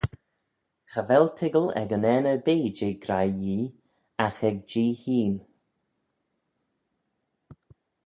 Cha vel toiggal ec unnane erbee jeh graih Yee agh ec Jee hene.